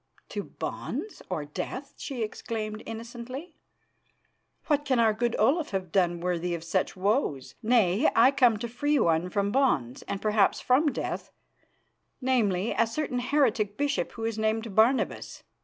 "To bonds or death!" she exclaimed innocently. "What can our good Olaf have done worthy of such woes? Nay, I come to free one from bonds, and perhaps from death, namely, a certain heretic bishop who is named Barnabas.